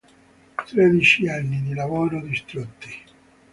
Tredici anni di lavoro distrutti.